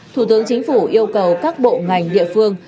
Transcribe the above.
thủ tướng chính phủ yêu cầu các bộ ngành địa phương